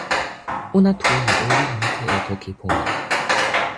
ona tu li olin mute e toki pona.